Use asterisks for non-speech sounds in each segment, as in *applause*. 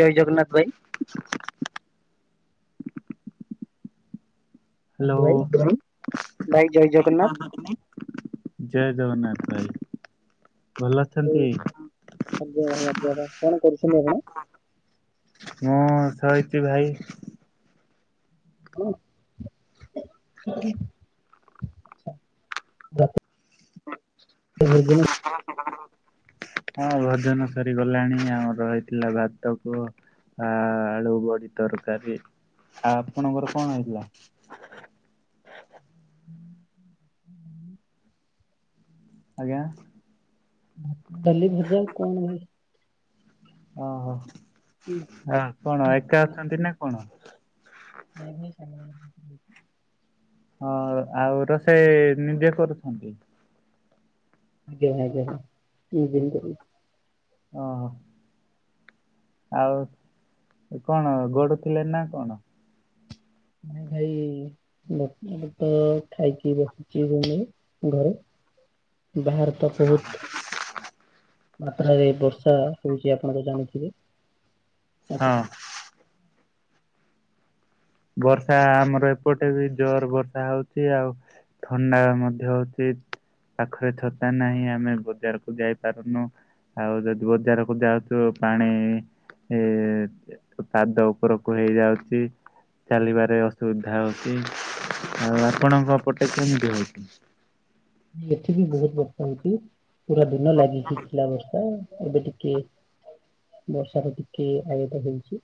ଜୟ ଜଗନ୍ନାଥ ଭାଇ। ହ୍ୟାଲୋ। ଭାଇ ଜୟ ଜଗନ୍ନାଥ। *inaudible* ଜୟ ଜଗନ୍ନାଥ ଭାଇ। ଭଲ ହଉ ଅଛନ୍ତି? ଆଜ୍ଞା *unintelligible* କଣ କରୁଛନ୍ତି ଆପଣ? ମୁଁ ଶୋଇ ଚି ଭାଇ। ହଁ *inaudible* ତୁବୁଝୁନୁ ହଁ ଭୋ ଜନ ସରିଗଲାଣି ଆମର ହେଇ ଥିଲା ଭାତକୁ ଆ ଆଳୁ ବଡି ତରକାରୀ ଆ ଆପଣଙ୍କର କଣ ହେଇଥିଲା? ଆଜ୍ଞା। ଡା ଲି ଭଜା କଣ ହୁଏ? ଓହୋ ନାଇଁ ଆଉ କଣ ଏକା ଅଛନ୍ତି ନା କଣ? *unintelligible* ହଁ ଆଉ ରୋଷେଇ ନିଜେ କରୁଛନ୍ତି। ଆଜ୍ଞା ଆଜ୍ଞାଁ ଜିନ। ଓ ହୋ। ଆଉ କଣ ଗଡୁ ଥିଲେ ନା କଣ? ଭାଇ। *unintelligible* ତ ଖାଇକି ବସିଛିି ଘରେ ବାହାର ଟ ବହୁତ ମାତ୍ରାରେ ବର୍ଷା ହଉଛି ଆପଣ ତ ଜାଣିଥିବେ। ହଁ ବର୍ଷା ଆମର ଏପଟେ ବି ଜୋର ବର୍ଷା ହଉଛି ଆଉ। ଥଣ୍ଡା ମଧ୍ୟ ହ ଉଚି। ପାଖରେ ଛତା ନାହିଁ ଆମେ ବଜାରକୁ ଯାଇ ପାରୁନୁ। ଆଉ ଯଦି ବଜାରକୁ ଯାଉଛୁ ପାଣି ଏ। ପାଦ ଉପରକୁ ହେଇଯାଉଛି। ଚାଲିବାରେ ଅସୁବିଧା ହଉଛି ଆଉ ଆପଣଙ୍କପଟେ କେମିତି ହଉଛି। ଏଠି ବି ବହୁତ ବର୍ଷା ହଉଛି ପୁରା ଦିନ ଲାଗିିକି ଥିଲା ବର୍ଷା ଏବେ ଟିକେ ବର୍ଷ ର ଟିକେ ଆଗତ ହେଇଛି।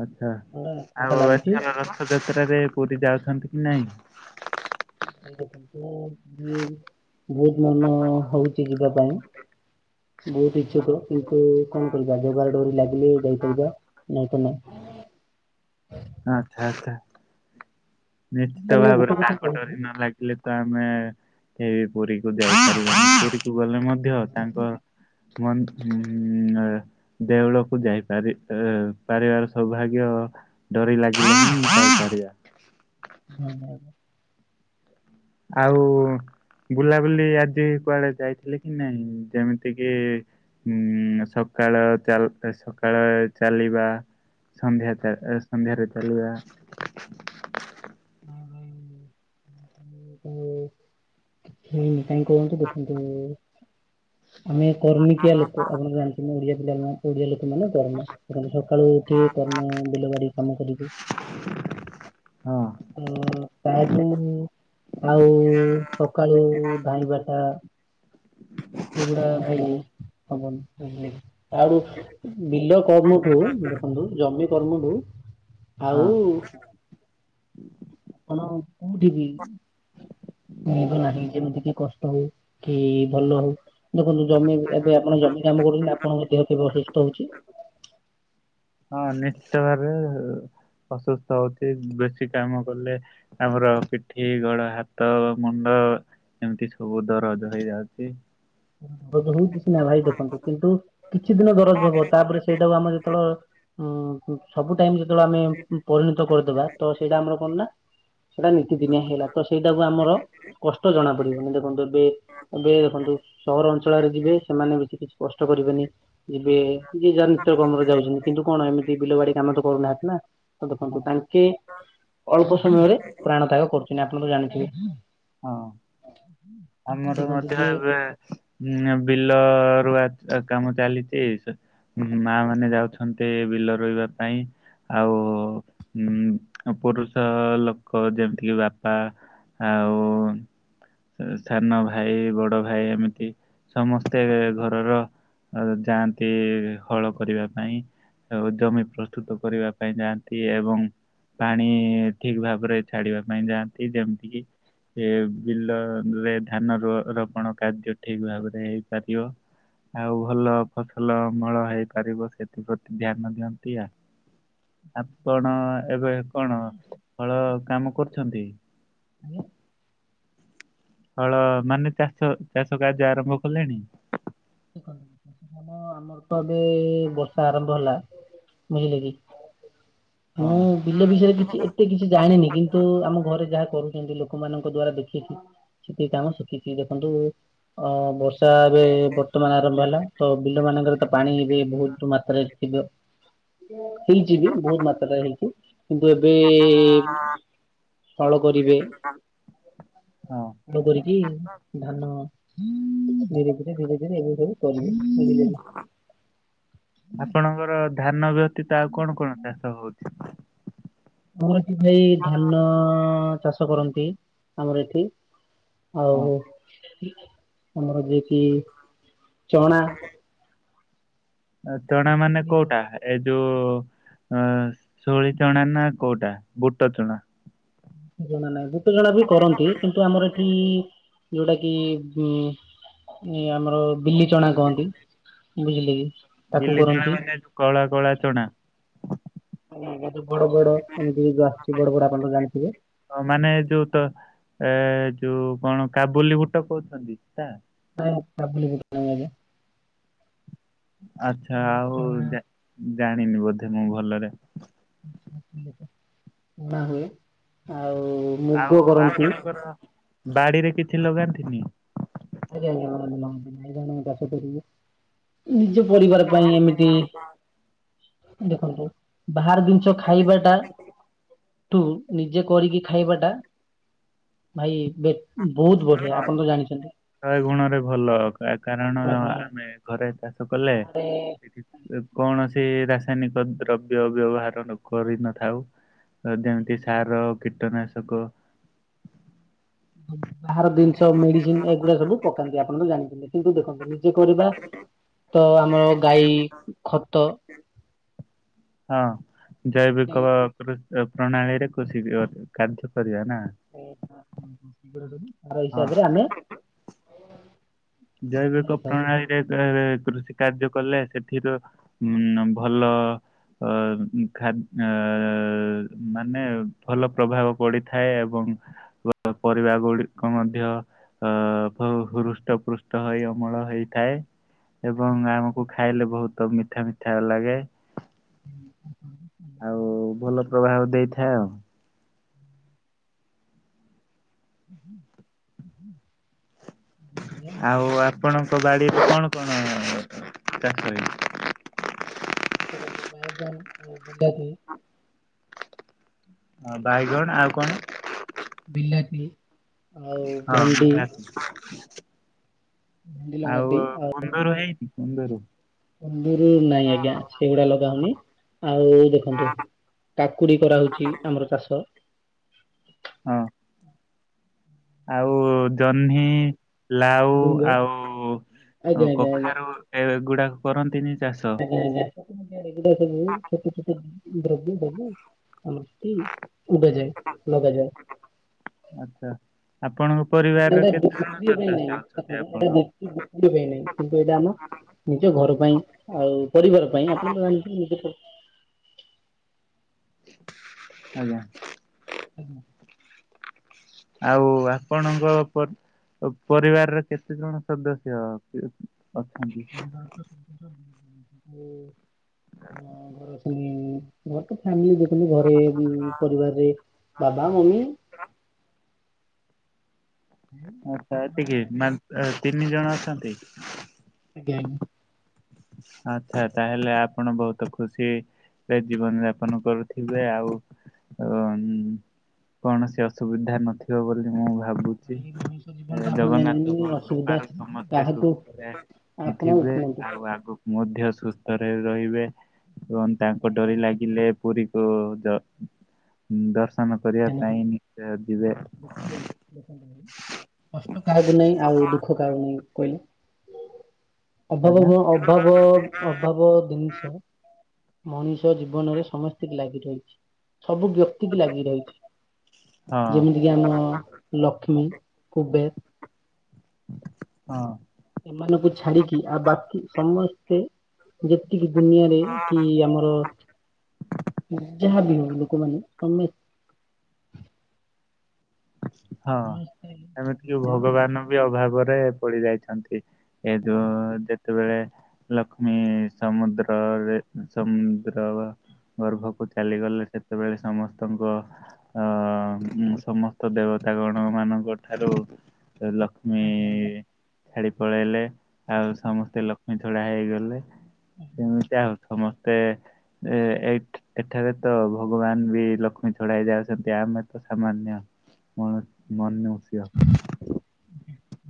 ଆଚ୍ଛା ଥଣ୍ଡା ଥଣ୍ଡା ଆଉ ଲାଗୁଛି ଏଥି ରଥଯାତ୍ରାରେ ପୁରୀ ଯାଉଛନ୍ତି କି ନାଇଁ? ମ ମୁ ବହୁତ ମନ ହଉଛି ଯିବା ପାଇଁ। ବହୁତ ଇଚ୍ଛକ କିନ୍ତୁ କଣ କରିବା ଯୋଗା ଡୋରି ଲାଗିଲି ଯାଇପାରିବା ନାଇଁ ତ ନାଇଁ। ଆଚ୍ଛା ଆଛା। ନିଶ୍ଚିତ ହେଲେ ମୁଁ ଗୋଟେ ଭାବରେ କଥା ତାଙ୍କ କହୁଛି ଡରି ନ ଲାଗିଲେ ତ ଆମେ କେ ପୁରୀକୁ ହୁଁ। କୁ ଗଲେ ମଧ୍ୟ ତାଙ୍କ ଦେଉଳକୁ ଯାଇପାରି ପାରିବାର ସୌଭାଗ୍ୟ ତ ଡରି ଲାଗିଲ *unintelligible* ହୁଁ ହଁ। ଆଉ ବୁଲାବୁଲି ଆଜି କୁଆଡେ ଯାଇଥିଲେ କି ନାଇଁ? ଯେମିତି କିି ସକାଳ ଚାଲ୍ ସକାଳ ଚାଲିବା। ସନ୍ଧ୍ୟା ସନ୍ଧ୍ୟାରେ ଚାଲିବା। ଉଁ। ହେଇନି କାଇହିଁ କୁହନ୍ତୁ ଦେଖନ୍ତୁ ଆମେ କର୍ମିକିଆ ଲୋକ ଆପଣ ଜାଣି ଓଡିଆ ପିଲାମାନେ ଓଡିଆ ଲୋକମାନେ କର୍ମ ସକାଳୁ ଉଠି କର୍ମ ବିଲ ବାଡି କାମ କରିବୁ। ହଁ। ଅ ତାଠୁ ଆଉ ସକାଳୁ ଧାଇଁବାଟା ଏଗୁଡା ଭାଇନ *unintelligible* ଆଉ ବିଲ *unintelligible* ଦେଖନ୍ତୁ ଜମି *unintelligible* ଆଉ ହଁ। ଆପଣ କୋଉଠି ବି ମିଳିବ ନାହିଁ ଯେମିତି କି କଷ୍ଟ ହଉ କି ଭଲ ହଉ ଦେଖନ୍ତୁ ଜମି ଏବେ ଆପଣ ଜମି କାମ କରୁଛନ୍ତି ଆପଣଙ୍କ ଦେହ କେବେ ଅସୁସ୍ଥ ହଉଛି। ହଁ ନିଶ୍ଚିତ ଭାବେ ଅସୁସ୍ଥ ହଉଛି ବେଶୀ କାମ କଲେ। ଆମର ପିଠି ଗୋଡ ହାତ ମୁଣ୍ଡ ଏମିତି ସବୁ ଦରଜ ହେଇଯାଉଛି। *unintelligible* ସିନା ଭାଇ ଦେଖନ୍ତୁ କିନ୍ତୁ କିଛି ଦିନ ଦରଜ ହବ ତାପରେ ସେଇଟାକୁ ଆମେ ଯେତେବେଳେ ହଁ ସବୁ ଟାଇମ ଯେତେବେଳେ ଆମେ ପରିଣତ କରିଦବା ତ ସେଇଟା ଆମର କଣ ନା ସେଇଟା ନୀତିଦିନିଆ ହେଲା ତ ସେଇଟାକୁ ଆମର କଷ୍ଟ ଜଣା ପଡିବନି ଦେଖନ୍ତୁ ଏବେ ଏବେ ଦେଖନ୍ତୁ ସହର ଅଞ୍ଚଳରେ ଯିବେ ସେମାନେ ବେଶୀ କିଛି କଷ୍ଟ କରିବେନି ଯିବେ ଯିଏ ଯାହା କାମରେ ଯାଉଛନ୍ତି କିନ୍ତୁ କଣ ଏମିତି ବିଲ ବାଡି କାମ ତ କରୁନାହାନ୍ତି ନା ତ ହଁ ଦେଖନ୍ତୁ *unintelligible* ଅଳ୍ପ ସମୟରେ ପ୍ରାଣ ତ୍ୟାଗ କରୁଛନ୍ତି ଆପଣ ତ ହଁ ଜାଣିଥିବେ। କିନ୍ତୁ ଆମର ଦେଖନ୍ତୁ ମଧ୍ୟ ଯିଏ ଏବେ ଉଁ ବିଲ ରୁଆ କାମ ଚାଲିଛି ସେ। ମା ମାନେ ଯାଉଛନ୍ତି ବିଲ ରୋଇବା ପାଇଁ। ଆଉ ଉ ପୁରୁଷ ଲୋକ ଯେମିତିକି ବାପା ଆଉ ସାନ ଭାଇ ବଡ଼ ଭାଇ ଏମିତି ସମସ୍ତେ ଘରର ଆ ଯାଆନ୍ତି ହଳ କରିବା ପାଇଁ। ଜମି ପ୍ରସ୍ତୁତ କରିବା ପାଇଁ ଯାଆନ୍ତି ଏବଂ ପାଣି ଠିକ ଭାବରେ ଛାଡିବା ପାଇଁ ଯାଆନ୍ତି। ଯେମିତି କିି ଏ ବିଲ ରେ ଧାନ ର ରୋପଣ କାର୍ଯ୍ୟ ଠିକ ଭାବରେ ହେଇପାରିବ। ଆଉ ଭଲ ଫସଲ ଅମଳ ହେଇପାରିବ ସେଥିପ୍ରତି ଧ୍ୟାନ ଦିଅନ୍ତି ଆପଣ ଏବେ କଣ ହଳ କାମ କରୁଛନ୍ତି? ହଳ ମାନେ ଚାଷ ଚାଷ କାର୍ଯ୍ୟ ଆରମ୍ଭ କଲେଣି? ଟ ଆମର ତ ଏବେ ବର୍ଷା ଆରମ୍ଭ ହେଲା। ବୁଝିଲେ କି ହଁ ମୁଁ। ବିଲ ବିଷୟରେ କିଛି ଏତେ କିଛି ଜାଣିନି କିନ୍ତୁ ଆମ ଘରେ ଯାହା କରୁଛନ୍ତି ଲୋକମାନଙ୍କ ଦ୍ଵାରା ଦେଖିଛି। ସେତିିକି କାମ ଶିଖଛି ଦେଖନ୍ତୁ ଅ ବର୍ଷା ଏବେ ବର୍ତ୍ତମାନ ଆରମ୍ଭ ହେଲା ତ ବିଲ ମାନଙ୍କର ତ ପାଣି ଏବେ ବହୁତ ମାତ୍ରାରେ ଥିବ। ହେଇଛି ବି ବହୁତ ମାତ୍ରାରେ ହେଇଛି କିନ୍ତୁ ଏବେ ହଳ କରିବେ। ହଁ ଚାଷ କରିକି ଧାନ ଧୀରେ ଧୀରେ ଧୀରେ ଧୀରେ ଏବେ ସବୁ *unintelligible* ଆପଣଙ୍କର ଧାନ ବ୍ୟତୀତ ଆଉ କଣ କଣ ଚାଷ ହଉଛି? ଆମରତ ଭାଇ ଧାନ ଚାଷ କରନ୍ତି ଆମର ଏଠି। ଆଉ ହଁ ଆମର ଯିଏକି ଚଣା ଚଣା ମାନେ ବିରି କୋଉଟା ଚଣା ଏ ଯୋଉ ଶୋଳି ଚଣା ନା କୋଉଟା ବୁଟ ଚଣା? ଜଣା ନାଇଁ ବୁଟ୍ ଚଣା ବି କରନ୍ତି କିନ୍ତୁ ଆମର ଏଠି ଯୋଉଟା କିି ଉ ଏ ଆମର ବିଲି ଚଣା କହନ୍ତି ବୁଝିଲେ କି ତାକୁ ବିଲି ଚଣା କରନ୍ତି। ମାନେ ଯୋଉ କଳା କଳା ଚଣା। ବଡ ବଡ ଏମିତି ବି ଯୋଉ ଆସୁଛି ବଡ ବଡ ଆପଣ ତ ଜାଣିଥିବେ? ହ ମାନେ ଯୋଉ ତ ଏ ଯୋଉ କଣ କାବୁଲି ବୁଟ କହୁଛନ୍ତି ତା ନାଇଁ କାବୁଲି ବୁଟ *inaudible* ଆଛା ଆଉ ଜାଣିନି ବୋଧେ ମୁଁ ଭଲରେ। ପଣା ହୁଏ ଆଉ ମୁଗ ଆଉ କରନ୍ତି ଆପଣଙ୍କର ବାଡିରେ କିଛି ଲଗାନ୍ତିନି? *inaudible* ନିଜ ପରିବାର ପାଇଁ ଏମିତି ଦେଖନ୍ତୁ। ବାହାର ଜିନିଛ ଖାଇବା ଟା? ତୁ ନିଜେ କରିକି ଖାଇବା ଟା ଭାଇ ବହୁତ ବଢିଆ ହଁ ଆପଣ ତ ଜାଣିଛନ୍ତି? ଶହେ ଗୁଣରେ ଭଲ କାରଣ ମାଗଣାର ଆମେ ଘରେ ଚାଷ କଲେ। ବାହାରେ କୌଣସି ରାସାୟନିକ ଦ୍ରବ୍ୟ ବ୍ୟବହାର କରିନଥାଉ। ଯେମିତି ସାର କୀଟନାଶକ ବାହାର ଜିନିଷ ମେଡିସିନ ଏଗୁଡା ସବୁ ପକାନ୍ତି ଆପଣ ତ ଜାଣିଛନ୍ତି କିନ୍ତୁ ଦେଖନ୍ତୁ ନିଜେ କରିବା। ତ ଆମର ଗାଈ ଖତ। ହଁ ଜୈବିକ ଏଗୁଡା ପ୍ରଣାଳୀରେ କୃଷି କାର୍ଯ୍ୟ କରିବା ନା? ସବୁ ତାର ହଁ ହିସାବରେ ଆମେ ଜୈବିକ ଢାଳିଥାଉ। ପ୍ରଣାଳୀ କୃଷି କାର୍ଯ୍ୟ କଲେ ସେଠିରୁ ଉ ଭଲ। ଅ ଖା ମାନେ ଭଲ ପ୍ରଭାବ ପଡିଥାଏ ଏବଂ ପରିବା ଗୁଡିକ ମଧ୍ୟ ଅ ହୃଷ୍ଟ ପୃ ହେଇ ଅମଳ ହେଇଥାଏ। ଏବଂ ଆମକୁ ଖାଇଲେ ବହୁତ ମିଠା ମିଠା ଲାଗେ। ଆଉ ଭଲ ପ୍ରଭାବ ଦେଇଥାଏ ଆଉ ଆଉ ଆପଣଙ୍କ ବାଡିରେ କଣ କଣ ଚାଷ ହେଇଛି? *inaudible* ବାଇଗନ୍ ଆଉ ବିଲାତି। ହଁ, ବାଇଗଣ ଆଉ କଣ? ବିଲାତି। ଆଉ ହଁ, ଭେଣ୍ଡି ବିଲାତି। ଭେଣ୍ଡି ଲଗାନ୍ତି ଆଉ ଭୂମି ନ୍ଦୁରୁ ହେଇନି, କୁନ୍ଦୁରୁ। କୁନ୍ଦୁରୁ ନାଇଁ ଆଜ୍ଞା, ସେଗୁଡା ଲଗା ହଉନି। ଆଉ ଦେଖନ୍ତୁ କାକୁଡି କରାହଉଛି ଆମର ଚାଷ। ହଁ। ଆଉ ଜହ୍ନି, ଲାଉ, ଝୁଡୁଙ୍ଗ ଆଜ୍ଞା ଆଉ ଆଜ୍ଞା ଆଜ୍ଞା। କଖାରୁ ଏଗୁଡାକ କରନ୍ତିନି ଚାଷ? *inaudible* ଏଗୁଡା ସବୁ ଛୋଟ ଛୋଟ ଦ୍ରବ୍ୟ ସବୁ ଆଉ ତି ଉଡ଼ାଯାଏ, ଲଗାଯାଏ। ଆଛା, ଆପଣଙ୍କ କିନ୍ତୁ ପରିବାରର ଏଇଟା କେତେ ଜଣ ସଦସ୍ୟ ଅଛନ୍ତି ଆପଣ? ସେ ଭିତୁରୁ ଯାଇନାହିଁ। କିନ୍ତୁ ଏଟା ଆମ ନିଜ ଘର ପାଇଁ, ଆଉ ପରିବାର ପାଇଁ ଆପଣ ତ ଜାଣିଛନ୍ତି, ନିଜ ପ ଆଜ୍ଞା। ଆଜ୍ଞା। ଆଉ ଆପଣଙ୍କ ପର୍ ପରିବାରରେ କେତେ ଜଣ ସଦସ୍ୟ ପି? ଅଛନ୍ତି। *inaudible* ଘର ସେଇ ଘର ତ ଫ୍ୟାମିଲି ଦେଖନ୍ତି ଘରେ, ପରିବାରରେ ବାବା, ମମି *inaudible* ଆଛା, ଏତିକି ମାନ୍ ଏ ତିନି ଜଣ ଅଛନ୍ତି। ଆଜ୍ଞାଜ୍ଞ୍। ଆଚ୍ଛା, ତାହେଲେ ଆପଣ ବହୁତ ଖୁସି। ଏ ଜୀବନ ଯାପନ କରୁଥିବେ, ଆଉ ଉଁନ୍ କୌଣସି ଅସୁବିଧା ନଥିବ, ବୋଲି ମୁଁ ଭାବ୍ ଭାବୁଚି। ଭାଇ ମଣିଷ ଜୀବନ ତ ଆପଣ ଜଗନ୍ନାଥ ଜାଣିଛନ୍ତି ଅସୁବିଧା କୃପାରୁ ସମସ୍ତେ କାହାକୁ ସୁସ୍ଥରେ ଆପଣ ଥିବେ। ଶୁଣନ୍ତୁ ଆଉ ଆଗକୁ ମଧ୍ୟ ସୁସ୍ଥରେ ରହିବେ। ଏବଂ ଆଜ୍ଞା ତାଙ୍କ ଆଜ୍ଞା ଡୋରି ଲାଗ୍ ଗିଲେ ପୁରୀକୁୁ ଯ ଦର୍ଶନ କରିବାପାଇଁ ଧନ୍ୟବାଦ। ନିଶ୍ଚୟ ଯିବେ। ଦେଖନ୍ତୁ ଦେଖନ୍ତୁ କଷ୍ଟ କାହାକୁ ନାହିଁ, ଆଉ ଦୁଃଖ *unintelligible* କହିଲେ, ଆଜ୍ଞା ଅଭାବବ ଅଭାବ, ଅ ଅଭାବ ଦିନିଷ ମଣିଷ ଜୀବନରେ ସମସ୍ତିକି ଲାଗି ରହିଛି। ସବୁ ବ୍ୟକ୍ତି କି ଲାଗି ରହିଛି। ହଁ ଯେମିତି ଯେ ଆମ ଲକ୍ଷ୍ମୀ, କୁବେର୍ ହଁ। ସେମାନଙ୍କୁ ଛାଡିକି, ଆଉ ବାକି ସମସ୍ତେ ଯେତିକି ଦୁନିଆରେ କି ଆମର ଯାହା ବି ହଉ ଲୁକମାନେ ସମେସ୍ ହଁ, ସମସ୍ତେ ଏମିତିକି ନିଜ- ଭଗବାନ ବି ଅଭାବରେ ପଡି ଯାଇଛନ୍ତି। ଏ ଯଉଁ ଯେତ୍ ଯେତେବେଳେ ଲକ୍ଷ୍ମୀ ସମୁଦ୍ରରେ ସମୁଦ୍ର ବା ଗର୍ଭକୁ ଚାଲିଗଲେ ସେତେବେଳେ ସମସ୍ତଙ୍କ ଅ ମୁ ସମସ୍ତ ତ ଦେବତା ଗଣ ମାନଙ୍କ ଠାରୁ ଲକ୍ଷ୍ମୀ। ଆଜ୍ଞା ଆଜ୍ଞା ଛାଡି ପଳେଇଲେ ଆଉ ସମସ୍ତେ ଲକ୍ଷ୍ମୀ ଛଡା ହେଇଗଲେ ସେମିତିଆ ଆଉ। ସମସ୍ତେ ଏ ଏଇ ଏଠାରେ ତ ଭଗବାନ ବି ଲଖ କ୍ଷ୍ମୀ ଛଡା ହେଇଯାଉଛନ୍ତି ଆମେ ତ ସାମାନ୍ୟ ମନ ମନୁଷ୍ୟ।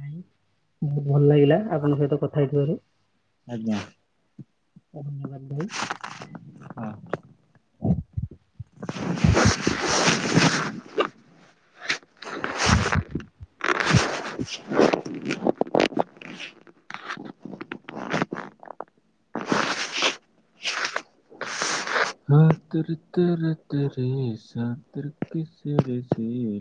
ଆଜ୍ଞା ଆଉ ବହୁତ ଭଲ ଲାଗିଲା ଆପଣଙ୍କ ସହିତ କଥା ହେଇଥିବାରୁ। ଆଜ୍ଞା। ଧନ୍ୟବାଦ ଭାଇ। ହ। ହା ତେରେ ତେ ରେ ତେ ରି ଶା ତେ ରେ ତି ସାରିଷୀ।